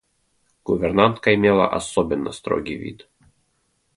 Гувернантка имела особенно строгий вид.